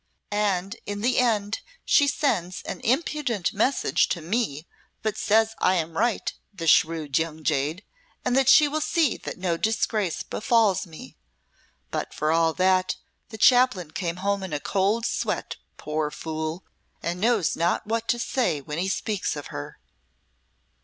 And in the end she sends an impudent message to me but says I am right, the shrewd young jade, and that she will see that no disgrace befalls me. But for all that, the Chaplain came home in a cold sweat, poor fool, and knows not what to say when he speaks of her."